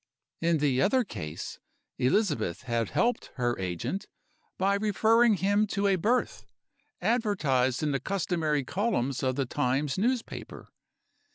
In the other case, Elizabeth had helped her agent by referring him to a Birth, advertised in the customary columns of the Times newspaper.